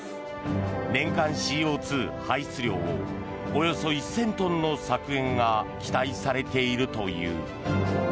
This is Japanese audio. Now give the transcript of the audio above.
年間ＣＯ２排出量をおよそ１０００トンの削減が期待されているという。